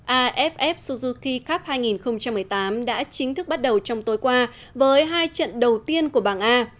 aff suzuki cup hai nghìn một mươi tám đã chính thức bắt đầu trong tối qua với hai trận đầu tiên của bảng a